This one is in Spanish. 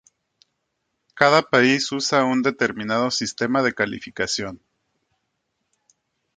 Cada país usa un determinado sistema de calificación.